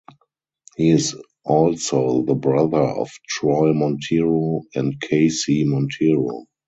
He is also the brother of Troy Montero and K. C. Montero.